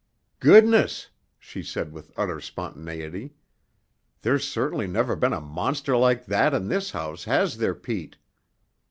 "Goodness," she said with utter spontaneity. "There's certainly never been a monster like that in this house, has there, Pete?"